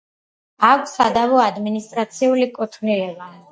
აქვს სადავო ადმინისტრაციული კუთვნილება.